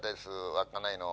稚内の。